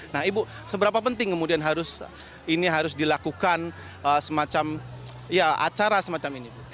nah ibu seberapa penting kemudian harus ini harus dilakukan semacam acara semacam ini